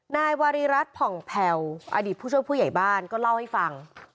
นายวารีรัฐผ่องแผ่วอดีตผู้ช่วยผู้ใหญ่บ้านก็เล่าให้ฟัง